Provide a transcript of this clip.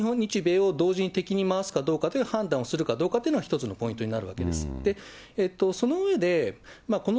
ですからまあ、中国側が日米を同時に敵に回すかどうかという判断をするかどうかっていうのは一つのポイントになるわけです。